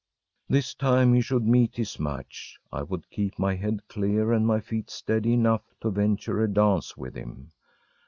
This time he should meet his match; I would keep my head clear and my feet steady enough to venture a dance with him.